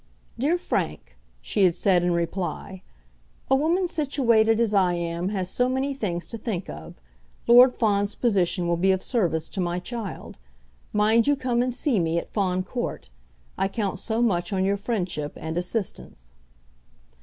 "Dear Frank," she had said in reply, "a woman situated as I am has so many things to think of. Lord Fawn's position will be of service to my child. Mind you come and see me at Fawn Court. I count so much on your friendship and assistance."